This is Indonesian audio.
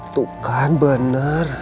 tuh kan bener